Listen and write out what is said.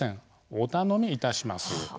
お頼みいたします。